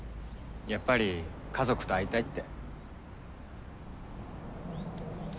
やっぱり家族と会いたいって。